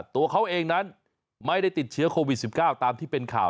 ตัวเขาเองนั้นไม่ได้ติดเชื้อโควิด๑๙ตามที่เป็นข่าว